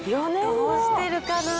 どうしてるかな。